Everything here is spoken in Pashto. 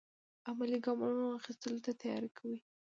عملي ګامونو اخیستلو ته تیاری کوي.